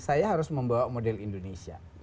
saya harus membawa model indonesia